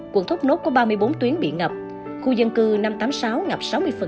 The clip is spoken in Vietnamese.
quận thốt nốt có ba mươi bốn tuyến bị ngập khu dân cư năm trăm tám mươi sáu ngập sáu mươi